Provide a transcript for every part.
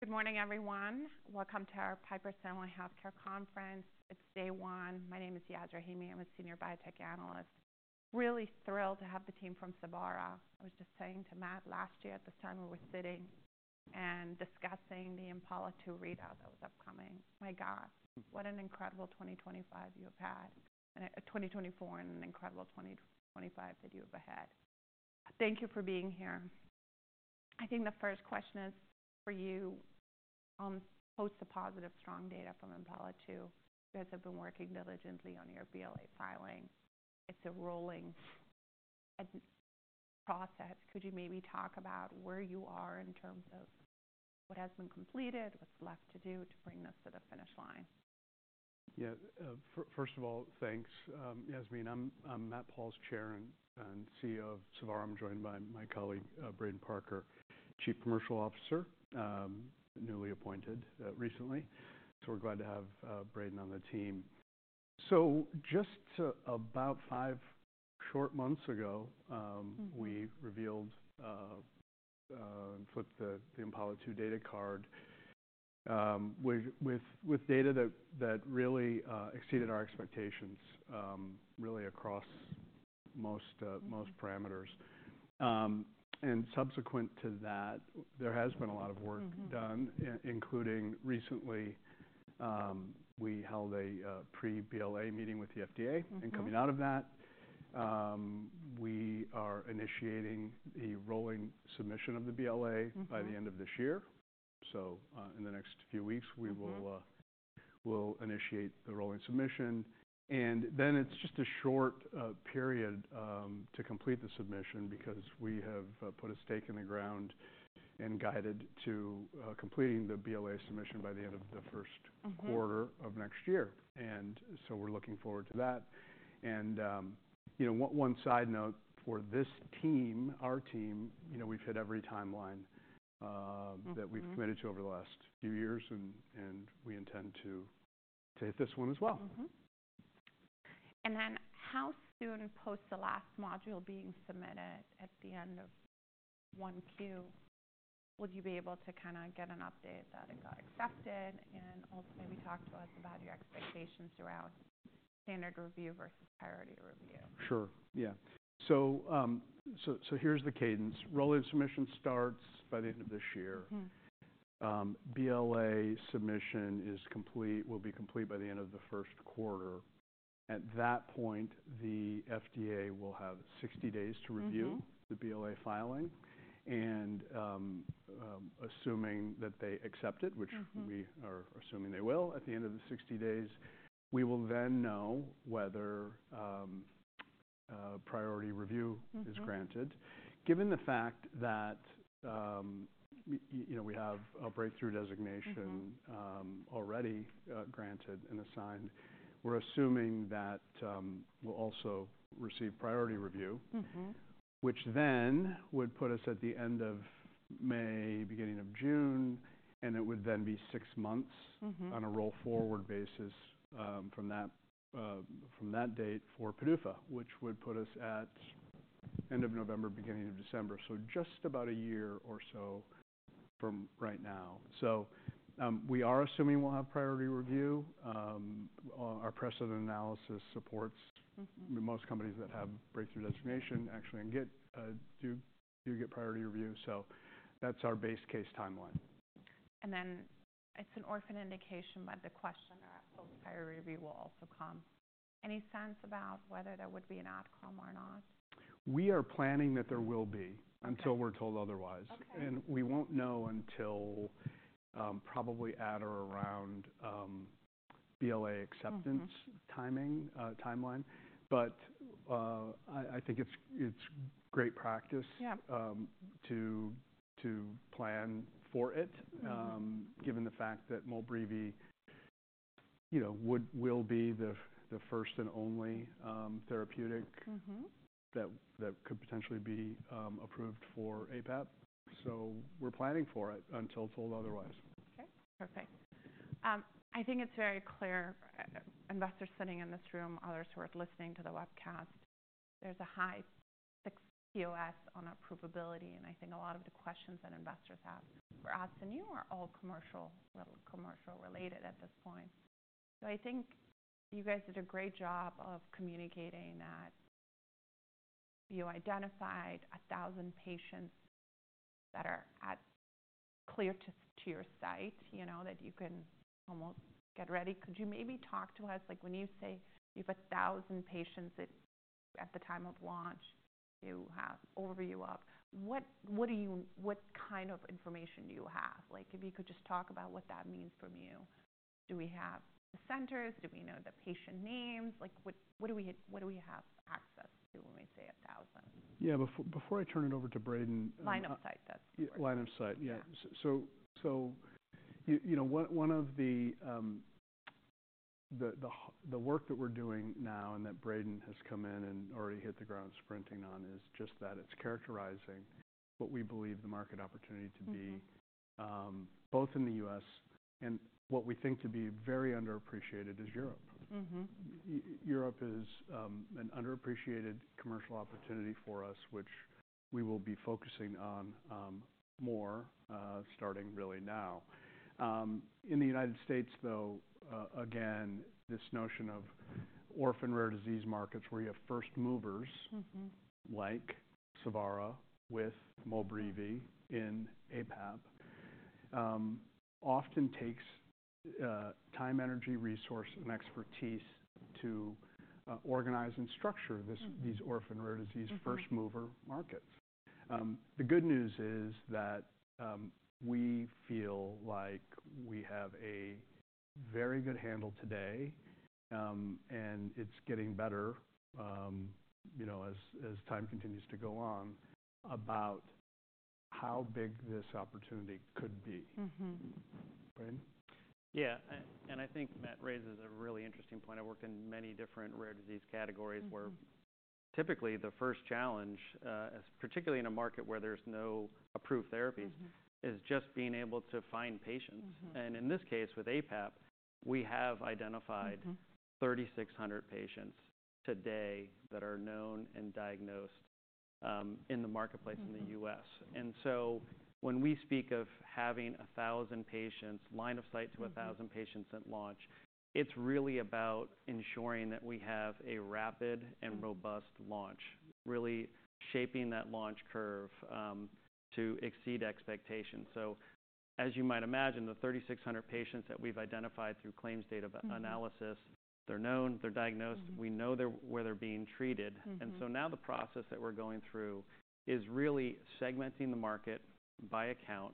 Good morning, everyone. Welcome to our Piper Sandler Healthcare Conference. It's day one. My name is Yasmeen Rahimi. I'm a senior biotech analyst. I'm really thrilled to have the team from Savara. I was just saying to Matt Pauls last year at the time we were sitting and discussing the IMPALA-2 readout that was upcoming. My God, what an incredible 2025 you have had, and 2024, and an incredible 2025 that you have ahead. Thank you for being here. I think the first question is for you. Post the positive, strong data from IMPALA-2. You guys have been working diligently on your BLA filing. It's a rolling process. Could you maybe talk about where you are in terms of what has been completed, what's left to do to bring this to the finish line? Yeah, first of all, thanks, Yasmeen. I'm Matt Pauls, Chair and CEO of Savara. I'm joined by my colleague, Braden Parker, Chief Commercial Officer, newly appointed recently. We're glad to have Braden on the team. Just about five short months ago, we revealed and flipped the IMPALA-2 data card with data that really exceeded our expectations, really across most parameters. Subsequent to that, there has been a lot of work done, including recently we held a pre-BLA meeting with the FDA. Coming out of that, we are initiating the rolling submission of the BLA by the end of this year. In the next few weeks, we will initiate the rolling submission. And then it's just a short period to complete the submission because we have put a stake in the ground and guided to completing the BLA submission by the end of the first quarter of next year. And so we're looking forward to that. And one side note for this team, our team, we've hit every timeline that we've committed to over the last few years, and we intend to hit this one as well. How soon post the last module being submitted at the end of Q1 would you be able to kind of get an update that it got accepted? Ultimately, talk to us about your expectations around standard review versus priority review. Sure. Yeah. So here's the cadence. Rolling submission starts by the end of this year. BLA submission will be complete by the end of the first quarter. At that point, the FDA will have 60 days to review the BLA filing. And assuming that they accept it, which we are assuming they will at the end of the 60 days, we will then know whether priority review is granted. Given the fact that we have a breakthrough designation already granted and assigned, we're assuming that we'll also receive priority review, which then would put us at the end of May, beginning of June, and it would then be six months on a roll forward basis from that date for PDUFA, which would put us at end of November, beginning of December. So just about a year or so from right now. So we are assuming we'll have priority review. Our precedent analysis supports most companies that have breakthrough designation actually do get priority review. So that's our base case timeline. Then it's an orphan indication, but the question about priority review will also come. Any sense about whether there would be an outcome or not? We are planning that there will be until we're told otherwise, and we won't know until probably at or around BLA acceptance timeline. But I think it's great practice to plan for it given the fact that Molbreevi will be the first and only therapeutic that could potentially be approved for APAP. So we're planning for it until told otherwise. Okay. Perfect. I think it's very clear. Investors sitting in this room, others who are listening to the webcast, there's a high POS on our approvability. And I think a lot of the questions that investors ask for us and you are all commercial, commercial related at this point. So I think you guys did a great job of communicating that you identified 1,000 patients that are clear to your site, that you can almost get ready. Could you maybe talk to us? When you say you have 1,000 patients at the time of launch, you have an overview of what kind of information do you have? If you could just talk about what that means for you. Do we have the centers? Do we know the patient names? What do we have access to when we say 1,000? Yeah, before I turn it over to Braden. Line of sight, that's correct. Line of sight, yeah. So one of the work that we're doing now and that Braden has come in and already hit the ground sprinting on is just that it's characterizing what we believe the market opportunity to be, both in the U.S., and what we think to be very underappreciated is Europe. Europe is an underappreciated commercial opportunity for us, which we will be focusing on more starting really now. In the United States, though, again, this notion of orphan rare disease markets where you have first movers like Savara with Molbreevi in APAP often takes time, energy, resource, and expertise to organize and structure these orphan rare disease first mover markets. The good news is that we feel like we have a very good handle today, and it's getting better as time continues to go on, about how big this opportunity could be. Yeah. And I think Matt raises a really interesting point. I worked in many different rare disease categories where typically the first challenge, particularly in a market where there's no approved therapies, is just being able to find patients. And in this case with APAP, we have identified 3,600 patients today that are known and diagnosed in the marketplace in the U.S. And so when we speak of having 1,000 patients, line of sight to 1,000 patients at launch, it's really about ensuring that we have a rapid and robust launch, really shaping that launch curve to exceed expectations. So as you might imagine, the 3,600 patients that we've identified through claims data analysis, they're known, they're diagnosed, we know where they're being treated. And so now the process that we're going through is really segmenting the market by account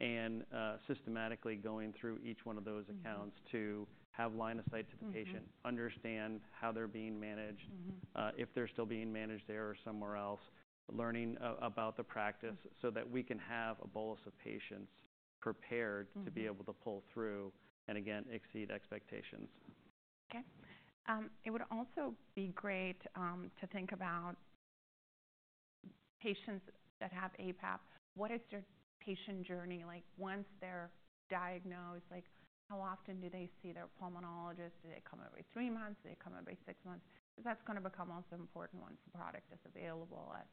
and systematically going through each one of those accounts to have line of sight to the patient, understand how they're being managed, if they're still being managed there or somewhere else, learning about the practice so that we can have a bolus of patients prepared to be able to pull through and again, exceed expectations. Okay. It would also be great to think about patients that have aPAP. What is their patient journey like once they're diagnosed? How often do they see their pulmonologist? Do they come every three months? Do they come every six months? Because that's going to become also important once the product is available at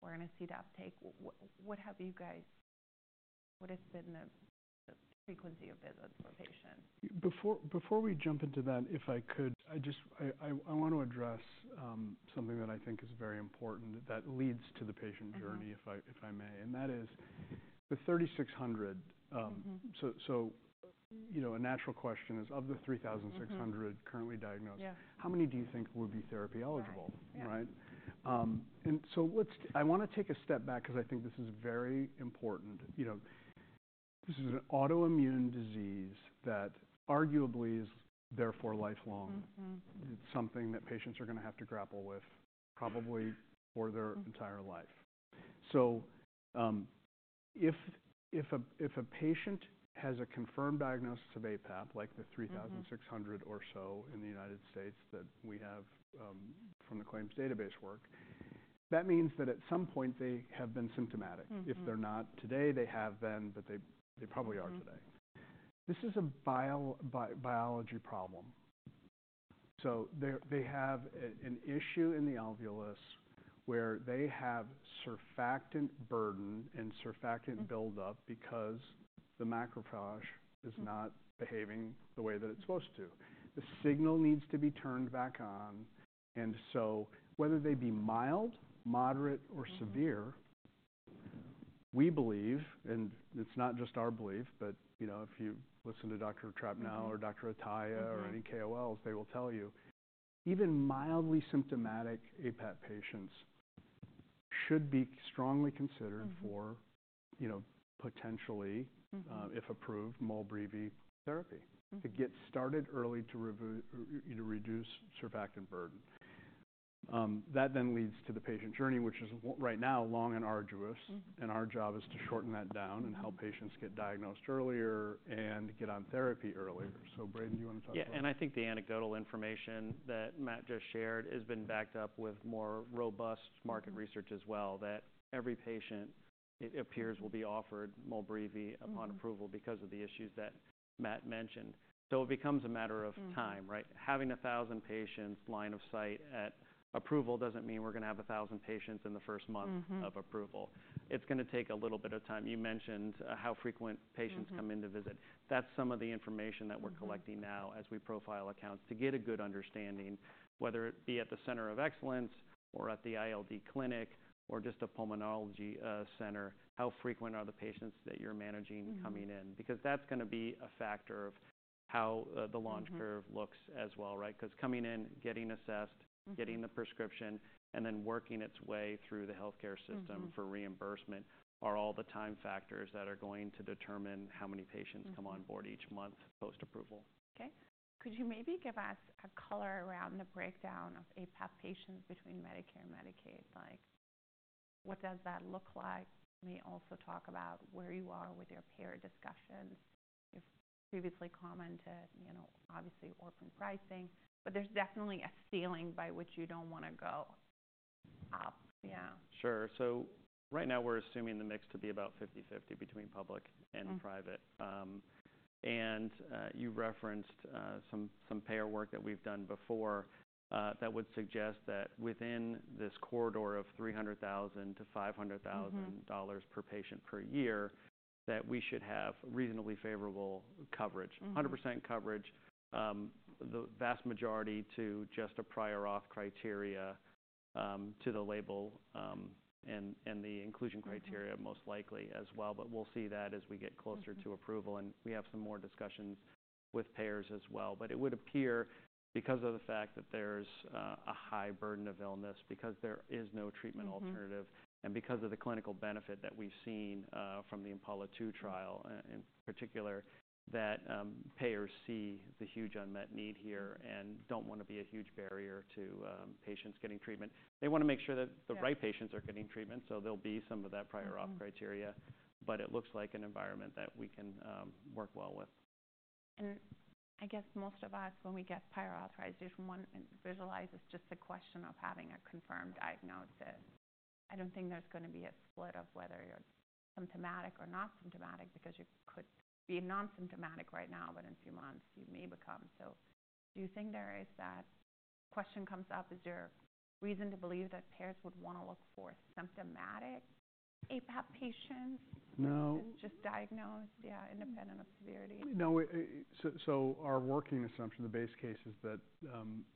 what point in the patient journey it takes. What have you guys? What has been the frequency of visits for patients? Before we jump into that, if I could, I want to address something that I think is very important that leads to the patient journey, if I may, and that is the 3,600. So a natural question is, of the 3,600 currently diagnosed, how many do you think would be therapy eligible, right? And so I want to take a step back because I think this is very important. This is an autoimmune disease that arguably is therefore lifelong. It's something that patients are going to have to grapple with probably for their entire life, so if a patient has a confirmed diagnosis of APAP, like the 3,600 or so in the United States that we have from the claims database work, that means that at some point they have been symptomatic. If they're not today, they have then, but they probably are today. This is a biology problem. So they have an issue in the alveolus where they have surfactant burden and surfactant buildup because the macrophage is not behaving the way that it's supposed to. The signal needs to be turned back on. And so whether they be mild, moderate, or severe, we believe, and it's not just our belief, but if you listen to Dr. Trapnell or Dr. Ataya or any KOLs, they will tell you even mildly symptomatic APAP patients should be strongly considered for potentially, if approved, Molbreevi therapy to get started early to reduce surfactant burden. That then leads to the patient journey, which is right now long and arduous. And our job is to shorten that down and help patients get diagnosed earlier and get on therapy earlier. So Braden, do you want to talk about that? Yeah, and I think the anecdotal information that Matt just shared has been backed up with more robust market research as well that every patient, it appears, will be offered Molbreevi upon approval because of the issues that Matt mentioned, so it becomes a matter of time, right? Having 1,000 patients line of sight at approval doesn't mean we're going to have 1,000 patients in the first month of approval. It's going to take a little bit of time. You mentioned how frequent patients come in to visit. That's some of the information that we're collecting now as we profile accounts to get a good understanding, whether it be at the Center of Excellence or at the ILD clinic or just a pulmonology center, how frequent are the patients that you're managing coming in? Because that's going to be a factor of how the launch curve looks as well, right? Because coming in, getting assessed, getting the prescription, and then working its way through the healthcare system for reimbursement are all the time factors that are going to determine how many patients come on board each month post-approval. Okay. Could you maybe give us a color around the breakdown of APAP patients between Medicare and Medicaid? What does that look like? Maybe also talk about where you are with your peer discussions. You've previously commented, obviously, orphan pricing, but there's definitely a ceiling by which you don't want to go up. Yeah. Sure. So right now, we're assuming the mix to be about 50/50 between public and private. And you referenced some payer work that we've done before that would suggest that within this corridor of $300,000 to $500,000 per patient per year, that we should have reasonably favorable coverage, 100% coverage, the vast majority to just a prior auth criteria to the label and the inclusion criteria most likely as well. But we'll see that as we get closer to approval. And we have some more discussions with payers as well. But it would appear because of the fact that there's a high burden of illness, because there is no treatment alternative, and because of the clinical benefit that we've seen from the IMPALA-2 trial in particular, that payers see the huge unmet need here and don't want to be a huge barrier to patients getting treatment. They want to make sure that the right patients are getting treatment, so there'll be some of that prior auth criteria, but it looks like an environment that we can work well with. And most of us, when we get prior authorization, one visualizes just the question of having a confirmed diagnosis. I don't think there's going to be a split of whether you're symptomatic or not symptomatic because you could be non-symptomatic right now, but in a few months you may become. So do you think there is that question comes up as your reason to believe that payers would want to look for symptomatic aPAP patients? No. Just diagnosed, yeah, independent of severity? No. So our working assumption, the base case is that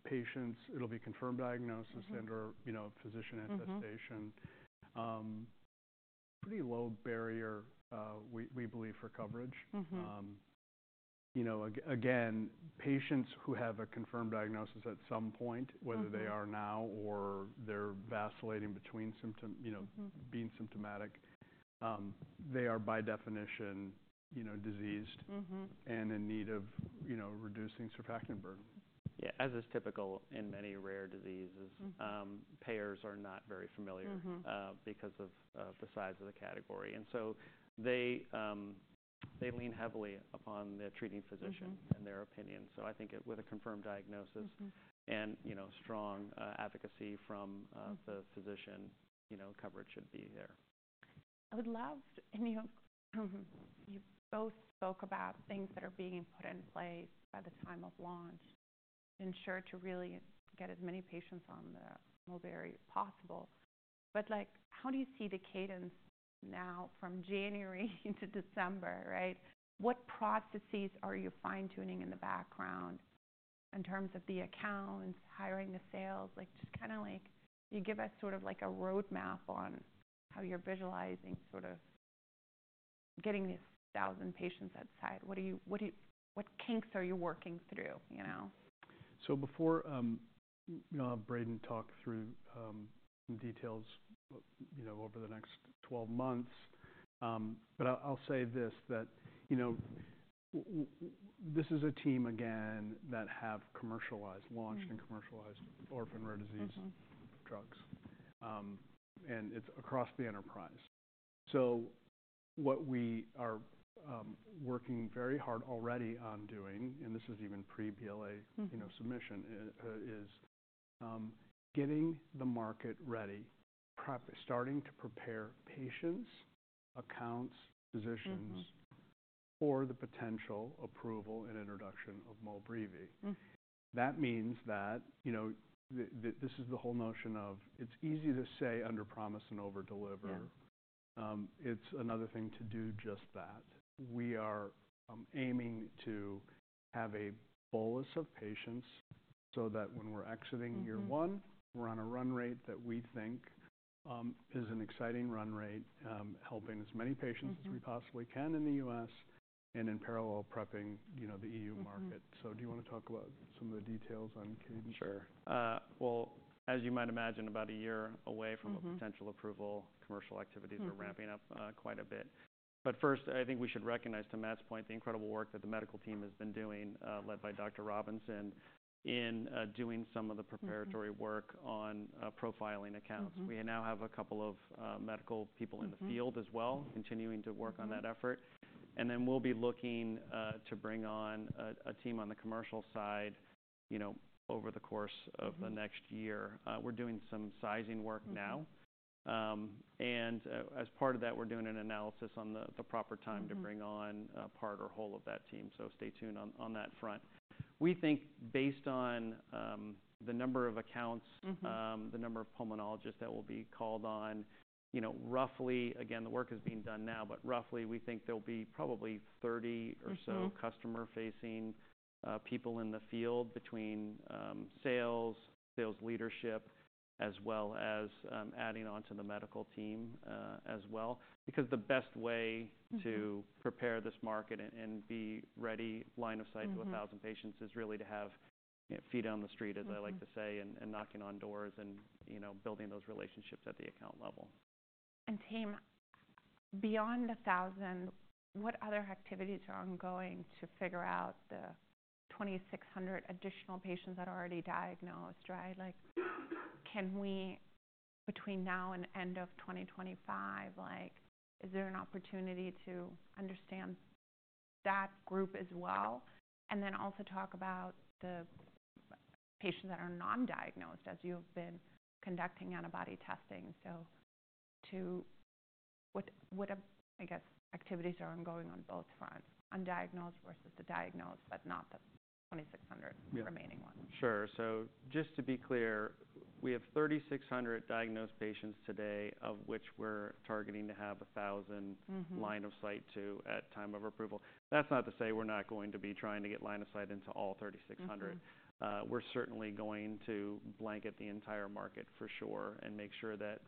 patients, it'll be confirmed diagnosis and/or physician attestation. Pretty low barrier, we believe, for coverage. Again, patients who have a confirmed diagnosis at some point, whether they are now or they're vacillating between being symptomatic, they are by definition diseased and in need of reducing surfactant burden. Yeah. As is typical in many rare diseases, payers are not very familiar because of the size of the category. And so they lean heavily upon the treating physician and their opinion. So I think with a confirmed diagnosis and strong advocacy from the physician, coverage should be there. I would love you both spoke about things that are being put in place by the time of launch to ensure to really get as many patients on the Molbreevi as possible. But how do you see the cadence now from January to December, right? What processes are you fine-tuning in the background in terms of the accounts, hiring the sales? Just kind of like you give us sort of like a roadmap on how you're visualizing sort of getting these 1,000 patients identified. What kinks are you working through? So before I'll have Braden talk through some details over the next 12 months. But I'll say this, that this is a team again that have commercialized, launched and commercialized orphan rare disease drugs. And it's across the enterprise. So what we are working very hard already on doing, and this is even pre-BLA submission, is getting the market ready, starting to prepare patients, accounts, physicians for the potential approval and introduction of Molbreevi. That means that this is the whole notion of it's easy to say under promise and over deliver. It's another thing to do just that. We are aiming to have a bolus of patients so that when we're exiting year one, we're on a run rate that we think is an exciting run rate, helping as many patients as we possibly can in the U.S. and in parallel prepping the E.U. market. So do you want to talk about some of the details on cadence? Sure. Well, as you might imagine, about a year away from a potential approval, commercial activities are ramping up quite a bit. But first, I think we should recognize to Matt's point the incredible work that the medical team has been doing led by Dr. Robinson in doing some of the preparatory work on profiling accounts. We now have a couple of medical people in the field as well continuing to work on that effort. And then we'll be looking to bring on a team on the commercial side over the course of the next year. We're doing some sizing work now. And as part of that, we're doing an analysis on the proper time to bring on part or whole of that team. So stay tuned on that front. We think based on the number of accounts, the number of pulmonologists that will be called on, roughly, again, the work is being done now, but roughly we think there'll be probably 30 or so customer-facing people in the field between sales, sales leadership, as well as adding on to the medical team as well. Because the best way to prepare this market and be ready line of sight to 1,000 patients is really to have feet on the street, as I like to say, and knocking on doors and building those relationships at the account level. Team, beyond the 1,000, what other activities are ongoing to figure out the 2,600 additional patients that are already diagnosed, right? Between now and end of 2025, is there an opportunity to understand that group as well? And then also talk about the patients that are non-diagnosed as you've been conducting antibody testing. So what activities are ongoing on both fronts, undiagnosed versus the diagnosed, but not the 2,600 remaining ones? Sure. So just to be clear, we have 3,600 diagnosed patients today of which we're targeting to have 1,000 line of sight to at time of approval. That's not to say we're not going to be trying to get line of sight into all 3,600. We're certainly going to blanket the entire market for sure and make sure that,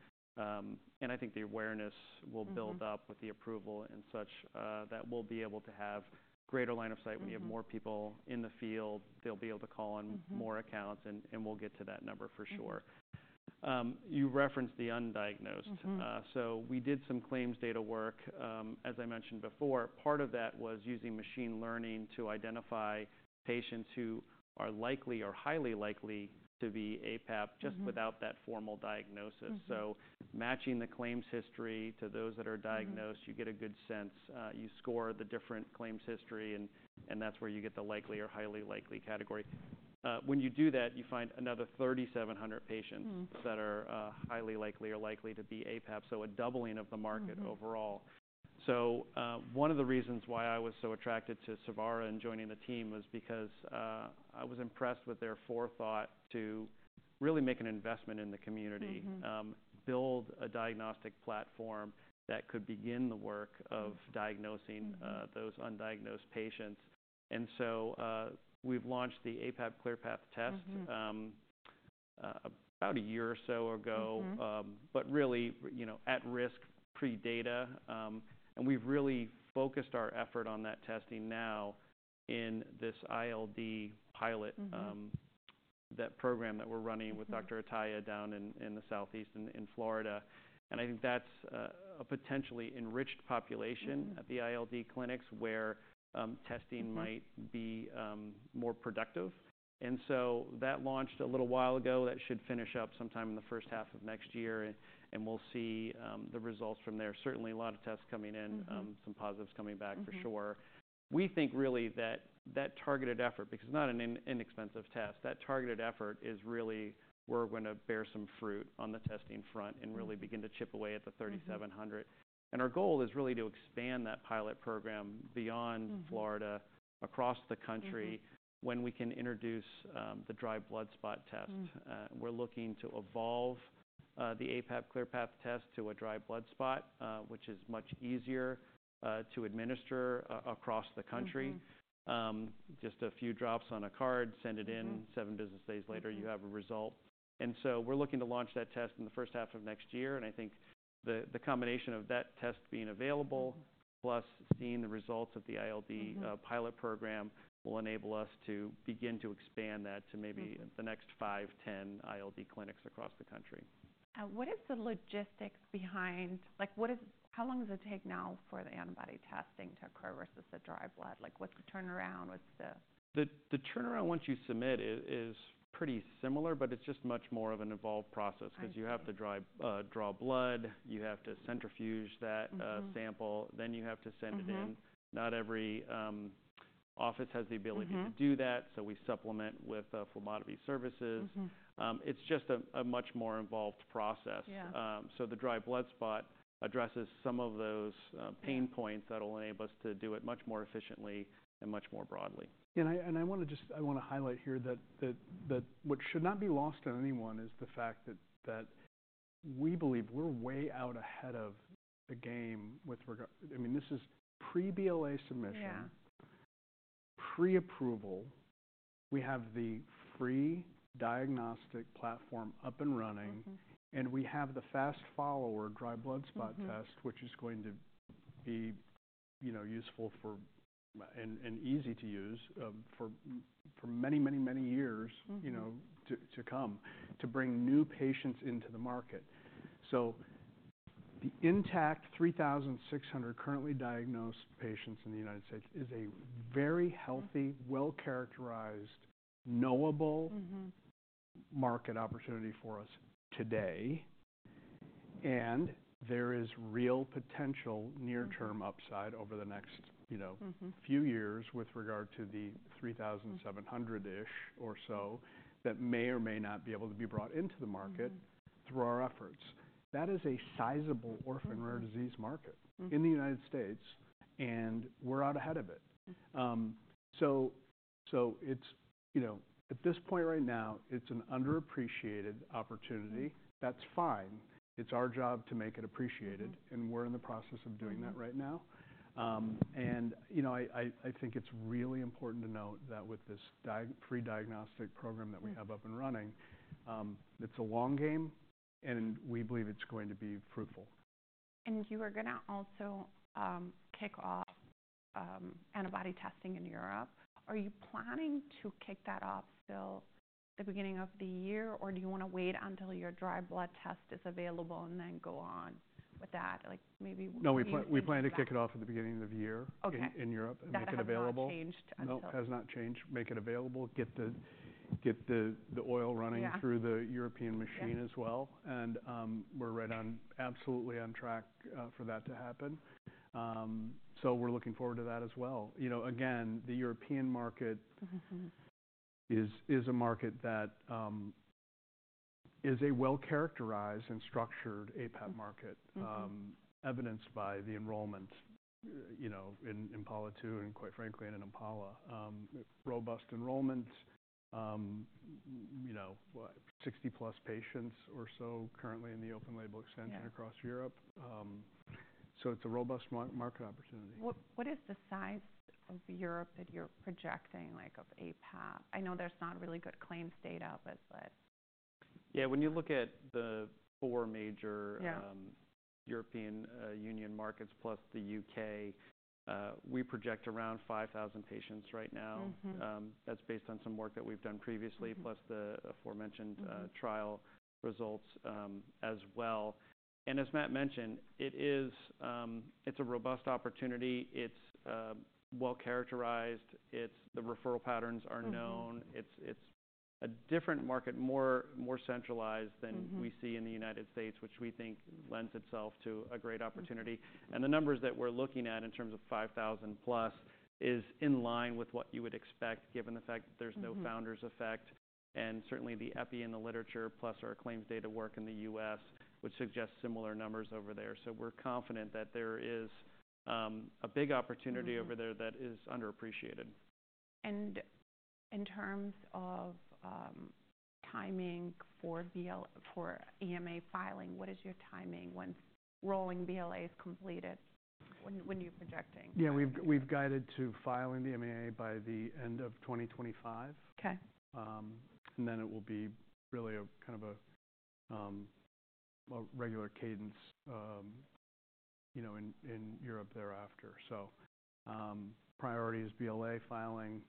and I think the awareness will build up with the approval and such that we'll be able to have greater line of sight. When you have more people in the field, they'll be able to call on more accounts and we'll get to that number for sure. You referenced the undiagnosed. So we did some claims data work. As I mentioned before, part of that was using machine learning to identify patients who are likely or highly likely to be APAP just without that formal diagnosis. Matching the claims history to those that are diagnosed, you get a good sense. You score the different claims history and that's where you get the likely or highly likely category. When you do that, you find another 3,700 patients that are highly likely or likely to be APAP. So a doubling of the market overall. One of the reasons why I was so attracted to Savara and joining the team was because I was impressed with their forethought to really make an investment in the community, build a diagnostic platform that could begin the work of diagnosing those undiagnosed patients. We've launched the APAP ClearPath test about a year or so ago, but really at risk pre-data. We've really focused our effort on that testing now in this ILD pilot, that program that we're running with Dr. Ataya down in the Southeast in Florida. I think that's a potentially enriched population at the ILD clinics where testing might be more productive. So that launched a little while ago. That should finish up sometime in the first half of next year. We'll see the results from there. Certainly a lot of tests coming in, some positives coming back for sure. We think really that that targeted effort, because it's not an inexpensive test, that targeted effort is really where we're going to bear some fruit on the testing front and really begin to chip away at the 3,700. Our goal is really to expand that pilot program beyond Florida, across the country when we can introduce the dry blood spot test. We're looking to evolve the APAP ClearPath test to a dry blood spot, which is much easier to administer across the country. Just a few drops on a card, send it in, seven business days later, you have a result. And so we're looking to launch that test in the first half of next year. And I think the combination of that test being available plus seeing the results of the ILD pilot program will enable us to begin to expand that to maybe the next five-10 ILD clinics across the country. What is the logistics behind? How long does it take now for the antibody testing to occur versus the dry blood? What's the turnaround? What's the? The turnaround once you submit is pretty similar, but it's just much more of an evolved process because you have to draw blood, you have to centrifuge that sample, then you have to send it in. Not every office has the ability to do that. So we supplement with phlebotomy services. It's just a much more involved process. So the dry blood spot addresses some of those pain points that will enable us to do it much more efficiently and much more broadly. And I want to just highlight here that what should not be lost to anyone is the fact that we believe we're way out ahead of the game with regard. I mean, this is pre-BLA submission, pre-approval. We have the free diagnostic platform up and running. And we have the fast follower dry blood spot test, which is going to be useful and easy to use for many, many, many years to come to bring new patients into the market. So the intact 3,600 currently diagnosed patients in the United States is a very healthy, well-characterized, knowable market opportunity for us today. And there is real potential near-term upside over the next few years with regard to the 3,700-ish or so that may or may not be able to be brought into the market through our efforts. That is a sizable orphan rare disease market in the United States, and we're out ahead of it. So at this point right now, it's an underappreciated opportunity. That's fine. It's our job to make it appreciated. And we're in the process of doing that right now. And I think it's really important to note that with this pre-diagnostic program that we have up and running, it's a long game, and we believe it's going to be fruitful. And you were going to also kick off antibody testing in Europe. Are you planning to kick that off still at the beginning of the year, or do you want to wait until your dry blood test is available and then go on with that? Maybe. No, we plan to kick it off at the beginning of the year in Europe and make it available. That has not changed until. No, it has not changed. Make it available, get the oil running through the European machine as well, and we're absolutely on track for that to happen, so we're looking forward to that as well. Again, the European market is a market that is a well-characterized and structured APAP market, evidenced by the enrollment in the pilot and quite frankly in IMPALA. Robust enrollment, 60+ patients or so currently in the open-label extension across Europe, so it's a robust market opportunity. What is the size of Europe that you're projecting of APAP? I know there's not really good claims data, but. Yeah, when you look at the four major European Union markets plus the U.K., we project around 5,000 patients right now. That's based on some work that we've done previously plus the aforementioned trial results as well. And as Matt mentioned, it's a robust opportunity. It's well-characterized. The referral patterns are known. It's a different market, more centralized than we see in the United States, which we think lends itself to a great opportunity. And the numbers that we're looking at in terms of 5,000+ is in line with what you would expect given the fact that there's no founder's effect. And certainly the epi in the literature plus our claims data work in the U.S. would suggest similar numbers over there. So we're confident that there is a big opportunity over there that is underappreciated. In terms of timing for EMA filing, what is your timing once rolling BLA is completed? When are you projecting? Yeah, we've guided to filing the EMA by the end of 2025. And then it will be really kind of a regular cadence in Europe thereafter. So priority is BLA filing,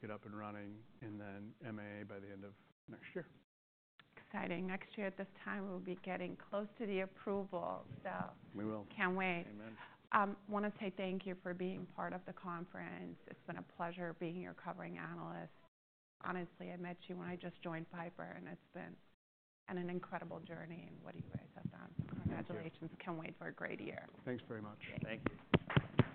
get up and running, and then MAA by the end of next year. Exciting. Next year at this time, we'll be getting close to the approval. So can't wait. I want to say thank you for being part of the conference. It's been a pleasure being your covering analyst. Honestly, I met you when I just joined Piper, and it's been an incredible journey. And what do you guys have done? Congratulations. Can't wait for a great year. Thanks very much. Thank you.